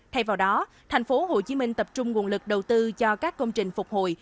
thay vào đó tp hcm tập trung nguồn lực đầu tư cho các công trình phục hồi